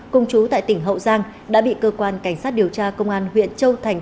cùng chú tại tỉnh hậu giang đã bị cơ quan cảnh sát điều tra công an huyện châu thành